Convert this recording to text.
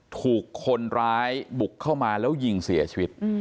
ถูกคนร้ายบุกเข้ามาแล้วยิงเสียชีวิต